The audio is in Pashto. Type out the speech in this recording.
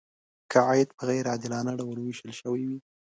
که عاید په غیر عادلانه ډول ویشل شوی وي.